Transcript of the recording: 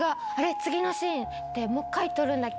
次のシーン、もう一回撮るんだっけ？